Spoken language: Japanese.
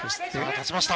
立ちました。